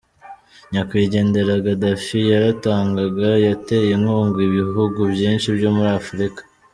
Nyakwigendera Gaddafi yaratangaga, yateye inkunga ibihugu byinshi byo muri Africa,